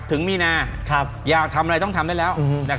ถึงมีนาอยากทำอะไรต้องทำได้แล้ว